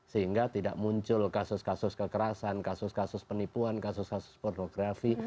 sehingga tidak muncul kasus kasus kekerasan kasus kasus penipuan kasus kasus pornografi